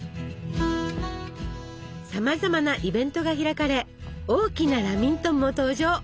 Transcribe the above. さまざまなイベントが開かれ大きなラミントンも登場！